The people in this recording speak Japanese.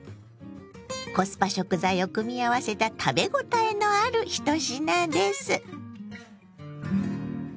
コスパ食材を組み合わせた食べ応えのある１品です。